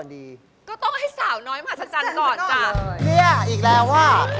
เนี่ยเองแล้ววะ